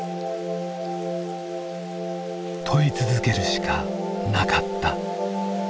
問い続けるしかなかった。